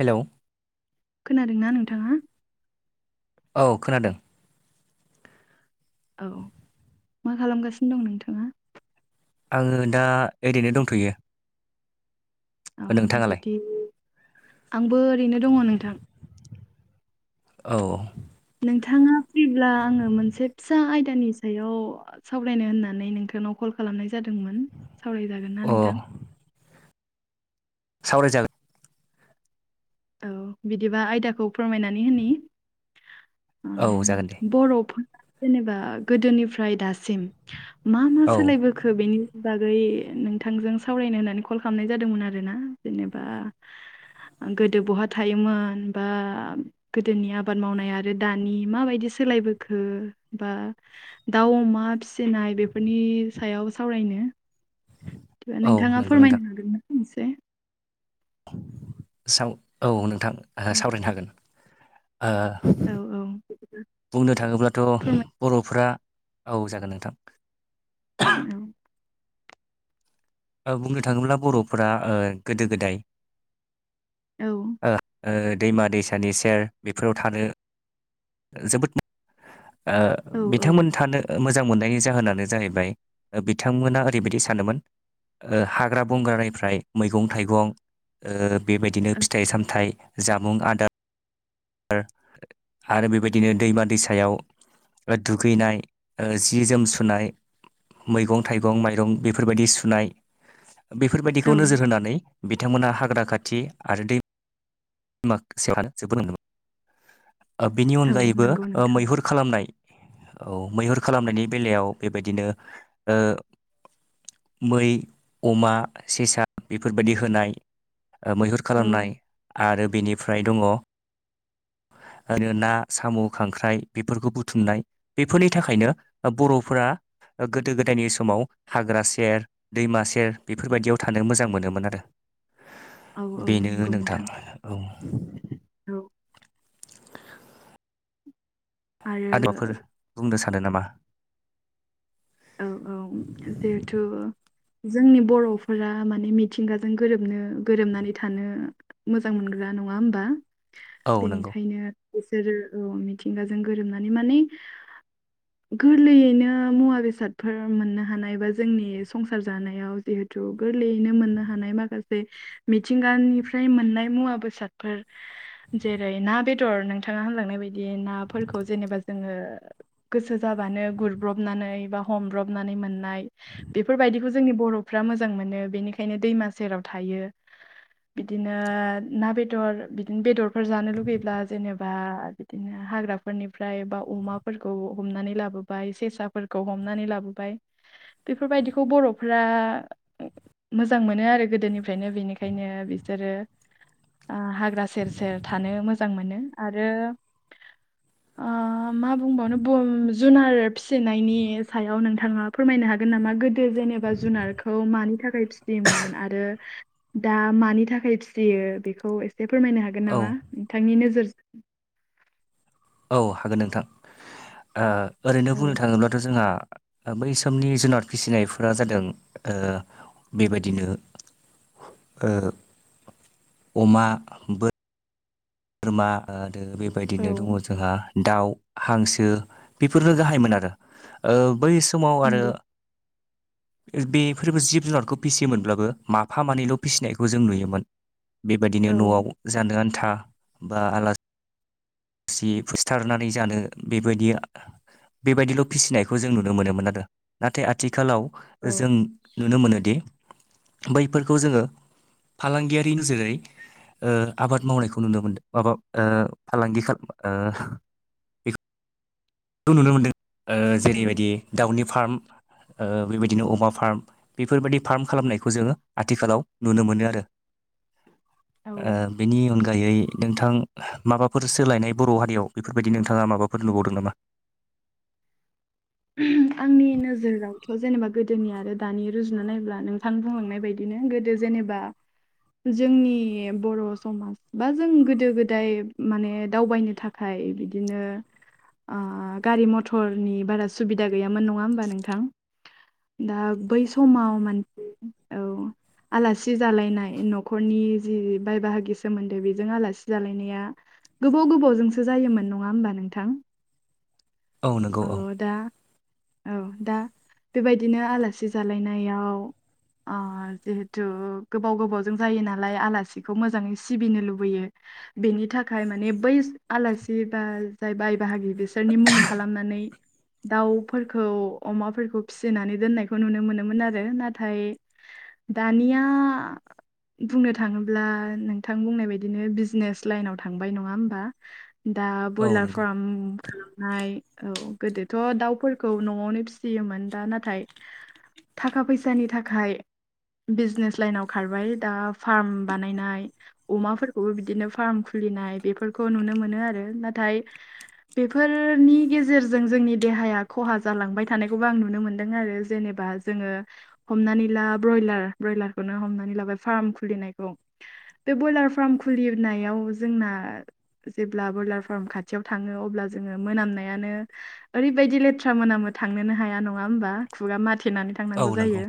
Hello खोनादोंना नोंथांङा? औ खोनादों। औ मा खालामगासिनो दं नोंथांङा? आंङो दा ओरैनो दंथ'यो। औ नोंथाङालाय जुदि आंबो ओरैनो दंङो नोंथां। औ नोंथांङा फ्रिब्ला आंङो मोनसे फिसा आयदानि सायाव सावरायनो होननानै नोंथांनाव कल खालामनाय जादोंमोन सावरायजागोनना अ नोंथां? सावरायजागोन। औ बिदिबा आयदाखौ फोरमायनानै होनि औ ओम, जागोन दे बर'फोरा जेनेबा गोदोनिफ्राय दासिम मा मा औ सोलायबो खो बेनि बागै नोंथांजों सावरायनो होननानै कल खालामनाय जादोंमोन आरोना जेनेबा गोदो बहा थायोमोन बा गोदोनि आबाद मावनाय आरो दानि माबायदि सोलायबोखो बा दाउ अमा फिसिनाय बेफोरनि सायाव सावरायनो औ नोंथाङा नंगौ नोंथां फोरमायनो हागोन ना एसे साव औ नोंथां सावरायनो हागोन। औ बुंनो थाङोब्लाथ' फोरमाय बर'फ्रा औ जागोन नोंथां औ बुंनो थाङोब्ला बर'फोरा ओ गोदो गोदाय औ दैमा दैसानि सेर बेफोराव थानो जोबोद ओ औ औ बिथांमोन थानो मोजां मोननायनि जाहोनानो जाहैबाय बिथांमोना ओरैबायदि सानोमोन हाग्रा बंग्रानिफ्राय मैगं थाइगं बेबायदिनो फिथाइ सामथाइ जामुं आदार आरो बेबायदिनो दैमा दैसायाव दुगैनाय जि जोम सुनाय मैगं थाइगं माइरं बेफोरबायदि सुनाय बेफोरबायदिखौ औ नोजोर होनानै बिथांमोना हाग्रा खाथि आरो दै दैमा [unintelligible] बिनि औ अनगायैबो‌ नंगौ ओ नोंथां मैहुर खालामनाय औ मैहुर खालामनायनि बेलायाव बेबायदिनो मै अमा सेसा बेफोरबायदि होनाय मैहुर औ खालामनाय आरो बेनिफ्राय दङ ओरैनो ना साम' खांख्राइ बेफोरखौ बुथुमनाय बेफोरनि थाखायनो बर'फोरा गोदो गोदायनि समाव हाग्रा सेर दैमा सेर बेफोरबायदियाव थानो मोजां मोनोमोन आरो औ औ बेनो नंगौ नोंथां औ औ आरो [unintelligible] बुंनो सानो नामा औ औ जिहेथु जोंनि बर'फोरा माने मिथिंगाजों गोरोबनो गोरोबनानै थानो मोजां मोनग्रा नङा होमबा औ नंगौ बेनिखायनो बिसोरो औ मिथिंगाजों गोरोमनानै माने गोरलैयैनो मुवा बेसाद बेसादफोर मोननो हानाय बा जोंनि संसार जानायाव जिहेथु गोरलैयैनो मोननो हानाय माखासे मिथिंगानिफ्राय मोननाय मुवा बेसादफोर जेरै ना बेदर नोंथाङा होनलांनाय बायदि नाफोरखौ जेनेबा जोङो गोसो जाबानो गुरब्रबनानै बा हमब्रबनानै मोननाय बेफोरबायदिखौ जोंनि बर'फ्रा मोजां मोनो बेनिखायनो दैमा सेराव थायो बिदिनो ना बेदर बिदिनो बेदरफोर जानो लुुबैब्ला जेनेबा बिदिनो हाग्राफोरनिफ्राय बा अमाफोरखौ हमनानै लाबोबाय सेसाफोरखौ हमनानै लाबोबाय बेफोरबायदिखौ बर'फोरा मोजां मोनो आरो गोदोनिफ्रायनो बेनिखायनो बिसोरो हाग्रा सेर सेर थानो मोजां मोनो आरो मा बुंबावनो जुनार फिसिनायनि सायाव नोंथाङा फोरमायनो हागोन नामा गोदो जेनेबा जुनारखौ मानि थाखाय फि फिसियोमोन आरो दा मानि थाखाय फिसियो बेखौ एसे फोरमायनो हागोन औ नामा नोंथांनि नोजोरजों औ हागोन नोंथां ओरैनो औ बुंनो थाङोब्लाथ' जोंहा बै समनि जुनाद फिसिनायफोरा जादों बेबायदिनो ओ अमा बोर बोरमा ओ दो औ बेबायदिनो दङ' जोंहा दाउ, हांसो बेफोरनो गाहायमोन आरो बै समाव आरो [inaudible] बेफोरबो जिब-जुनारखौ फिसियोमोनब्लाबो माफा मानैल' फिसिनायखौ जों नुयोमोन। औ बेबायदिनो न'आव जानो आन्था बा आलासि सि फुथारनानै जानो बेबायदि बेबायदिल' फिसिनायखौ जों नुनो मोनोमोन आरो। नाथाय आथिखालाव औ जों नुनो मोनोदि बैफोरखौ जोङो फालांगियारि नोजोरै ओ आबाद मावनायखौ नुनो मोनदों माबा फालांगि खालाम ओ खौ नुनो मोनदों ओ औ जेरैबायदि दाउनि फार्म ओ बेबायदिनो अमा फार्म बेफोर बादि फार्म खालामनायखौ जोङो आथिखालाव नुनो मोनो आरो। [inaudible] ओ बेनि अनगायै नोंथां माबाफोर सोलायनाय बर' हारियाव बेफोर बायदि नोंथाङा माबाफोर नुबावदों नामा? [inaudible] आंनि नोजोरावथ' जेनेबा गोदोनि आरो दानि रुजुना नायोब्ला नोंथां बुंलांनाय बायदि। बिदिनो गोदो जेनेबा जोंनि बर' समाज बा जों गोदो-गोदाय माने दावबायनो था ओमफाय बिदिनो गारि- मथरनि बारा सुबिदा गैयामोन नङा होमबा नोंथां दा बै समाव माने औ। आलासि जालायनाय न'खरनि जि बाय बाहागि सोमोन्दो बेजों आलासि जालायनाया गोबाव गोबावजोंसो जायोमोन नङा होमबा नोंथां। औ नंगौ औ। औ दा बेबायदिनो आलासि जालायनायाव ओ जिहेथु गोबाव गोबावजों जायो नालाय आलासिखौ मोजाङै सिबिनो लुबैयो। बेनि थाखाय माने बै आलासि बा जाय बाय बाहागि बिसोरनि मुं खालामनानै दाउफोरखौ, अमाफोरखौ फिसिनानै दोननायखौ नुनो मोनोमोन आरो नाथाय दानिया बुंनो थाङोब्ला नोंथां बुंनाय बायदिनो बिजनेस लाइनाव थांबाय नङा होमबा। दा औ ब्रयलार नंगौ फार्म खालामनाय औ गोदो थ' दाउफोरखौ न'आवनो फिसियोमोन दा नाथाय थाखा-फैसानि थाखाय बिजनेस लाइनाव खारबाय दा फार्म बानायनाय अमाफोरखौबो बिदिनो फार्म खुलिनाय बेफोरखौ नुनो मोनो आरो नाथाय बेफोरनि गेजेरजों जोंनि देहाया खहा जालांबाय थानायखौबो आं नुनो मोनदों आरो जेनेबा जोङो हमनानै ला ब्रयलार ब्रयलारखौनो हमनानै लाबाय फार्म खुलिनायखौ। बे ब्रयलार फार्म खुलिनायाव जोंना जेब्ला ब्रयलार फार्म खाथियाव थाङो अब्ला जोङो मोनामनायानो ओरैबायदि लेथ्रा मोनाबो थांनोनो हाया नङा होमबा खुगा माथेनानै था थांनांगौ औ नंगौ जायो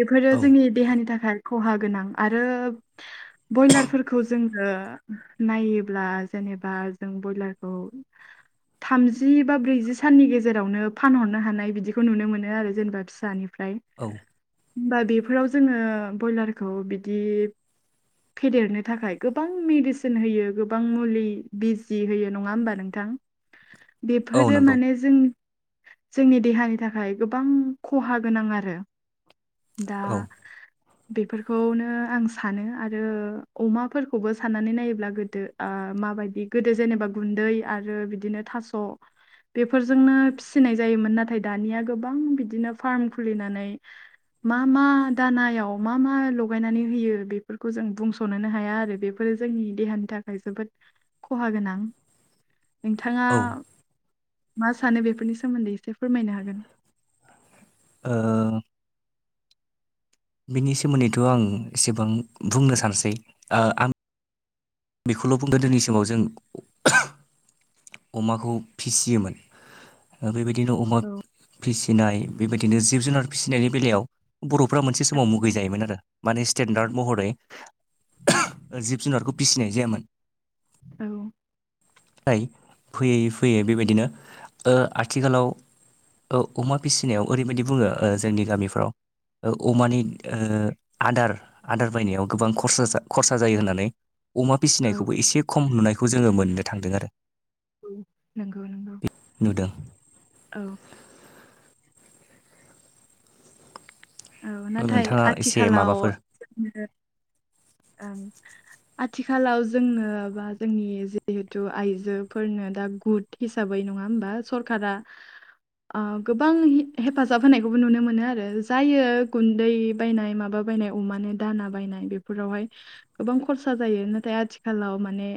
बेफोरो औ जोंनि देहानि थाखाय खहा गोनां आरो ब्रयलारफोरखौ जोङो नायोब्ला जेनेबा जों बयलारखौ थामजि बा ब्रैजि साननि गेजेरावनो फानहरनो हानाय बिदिखौ नुनो मोनो आरो जेनेबा फिसानिफ्राय औ। होमबा बेफोराव जोङो ब्रयलारखौ बिदि फेदेरनो थाखाय गोबां मेडिसिन होयो गोबां मुलि बिजि होयो नङा होमबा नोंथां? औ बेफोरो नंगौ माने जोंनि जोंनि देहानि थाखाय गोबां खहा गोनां आरो दा औ [inaudible] बेफोरखौनो आं सानो आरो अमाफोरखौबो साननानै नायोब्ला गोदो माबायदि गोदो जेनेबा गुन्दै आरो बिदिनो थास' बेफोरजोंनो फिसिनाय जायोमोन नाथाय दानिया गोबां बिदिनो फार्म खुलिनानै मा मा दानायाव मा मा लगायनानै होयो बेफोरखौ जों बुंस'नोनो हाया आरो बे फोरो जोंनि देहानि थाखाय जोबोद खहा गोनां नोंथाङा औ मा सानो बेफोरनि सोमोन्दै एसे फोरमायनो हागोन ओ बिनि सोमोन्दैथ' आं एसेबां बुंनो सानसै ओ आं बेखौल' बुं गोदोनि समाव जों अमाखौ फिसियोमोन बेबायदिनो अमा फिसिनाय बेबायदिनो जिब जुनार फिसिनायनि बेलायाव बर'फ्रा मोनसे समाव मुगै जायोमोन आरो माने स्टेन्डार्द महरै जिब जुनारखौ फिसिनाय जायामोन औ फ्राय फैयै फैयै बेबायदिनो आथिखालाव औ अमा फिसिनायाव ओरैबायाददि बुङो जोंनि गामिफ्राव अमानि आदार आदार बायनायाव गोबां खरसा जा खरसा जायो होननानै अमा औ फिसिनायखौबो एसे खम नुनायखौ जोङो मोननो थांदों आरो औ नंगौ नंगौ नुदों औ औ नाथाय नोंथाङा एसे आथिखालाव माबाफोर [unintelligible] ओं आथिखालाव जोंनो बा जोंनि जिहेथु आइजोफोरनो दा गुड हिसाबै नङा होमबा सरकारा गोबां हेफाजाब होनायखौबो नुनो मोनो आरो जायो गुन्दै बायनाय माबा बायनाय अमानो दाना बायनाय बेफोरावहाय गोबां खरसा जायो नाथाय आथिखालाव माने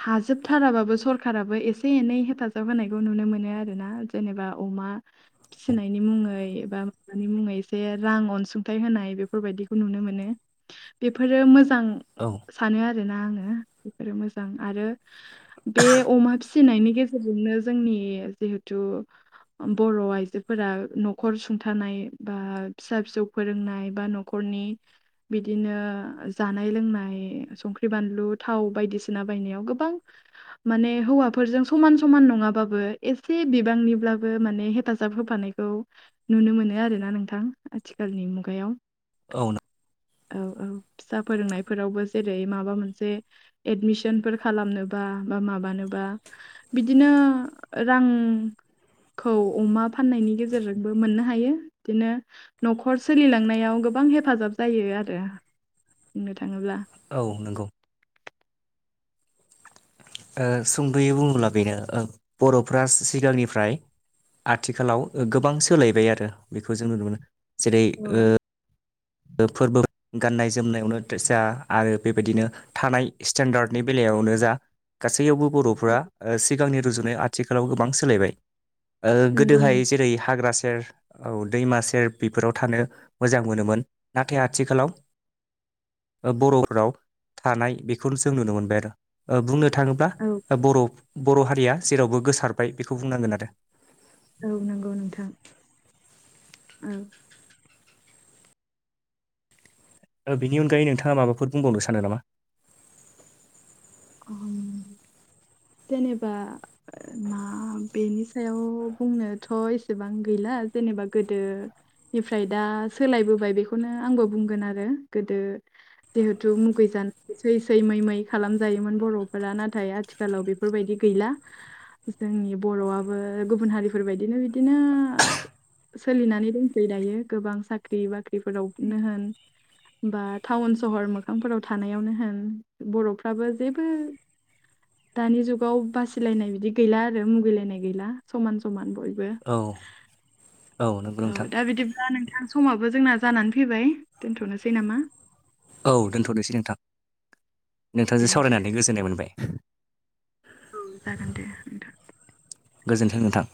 हाजोबथाराबाबो सरखाराबो एसे एनै हेफाजाब होनायखौ नुनो मोनो आरोना जेनेबा अमा फिसिनायनि मु ङै एबा अमानि मुङै एसे रां अनसुंथाइ होनाय बेफोरबायदिखौ नुनो मोनो। बेफोरो मोजां औ सानो आरोना आङो बेफोरो मोजां आरो बे अमा फिसिनायनि गेजेरजोंनो जोंनि जिहेथु बर' आइजोफोरा न'खर सुंथानाय बा फिसा फिसौ फोरोंनाय बा न'खरनि बिदिनो जानाय लोंनाय संख्रि बानलु थाव बायदिसिना बायनायाव गोबां माने हौवाफोरजों समान समान नङाबाबो एसे बिबांनिब्लाबो माने हेफाजा जाब होफानायखौ नुनो मोनो आरोना नोंथां आथिखालनि मुगायाव औ नों औ औ फिसा फोरोंनायफोरावबो जेरै माबा मोनसे एडमिसनफोर खालामनोबा बा माबानोबा बिदिनो रांखौ अमा फाननायनि गेजेरजों बो मोननो हायो बिदिनो न'खर सोलिलांनायाव गोबां हेफाजाब जायो आरो बुंनो थाङोब्ला औ नंगौ ओ सुंद'यै बुङोब्ला बेनो बर'फ्रा सिगांनिफ्राय आथिखालाव गोबां सोलायबाय आरो बेखौ जों नुनो मोनो जेरै औ फोरबो गाननाय-जोमनायावनो जा आरो बे बायदिनो थानाय स्टेन्डार्डनि बेलायावनो जा गासैयावबो बर'फ्रा सिगांनि रुजुनाय आथिखालाव गोबां सोलायबाय। ओ नंगौ गोदोहाय नों जेरै हाग्रा सेर औ दैमा सेर बेफोराव थानो मोजां मोनोमोन नाथाय आथिखालाव। बर' राव थानाय बेखौनो जों नुनो मोनबाय आरो। बुंनो थाङोब्ला औ बर' बर' हारिया जेरावबो गोसारबाय बेखौ बुंनांगोन आरो। औ नंगौ नोंथां। औ। औ बेनि अनगायै नोंथाङा माबाफोर बुंबावनो सानो नामा? ओम जेनेबा मा बेनि सायाव बुंनोथ' एसेबां गैला जेनेबा गोदो निफ्राय दा सोलायबोबाय बेखौनो आंबो बुंगोन आरो गोदो जिहेथु मुगै जानो सै सै मै मै खालाम जायोमोन बर'फोरा नाथाय आथिखालाव बेफोर बायदि गैला। जोंनि बर'आबो गुबुन हारिफोरबायदिनो बिदिनो सोलिनानै दंसै दायो गोबां साख्रि बाख्रिफोरावनो होन बा टाउन सहर मोखांफोराव थानायावनो होन बर'फ्राबो जेबो दानि जुगाव बासिलायनाय बिदि गैला आरो मुगैलायनाय गैला समान समान बयबो। औ। नंगौ औ नोंथां दा बिदिब्ला नोंथां समाबो जोंना जानानै फैबाय दोनथ'नोसै नामा? औ दोनथ'नोसै नोंथां दे नोंथांजों दे सावरायनानै गोजोननाय मोनबाय। औ जागोन दे नोंथां। गोजोन्थों नोंथां।